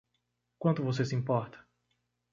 Quanto você se importa?